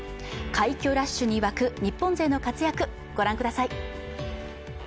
快挙ラッシュに沸く日本勢の活躍、御覧ください。